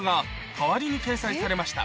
代わりに掲載されました